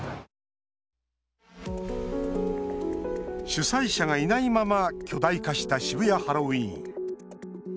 主催者がいないまま巨大化した渋谷ハロウィーン。